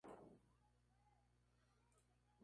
Ayuntamiento de Jaca dona la actual Bandera Nacional.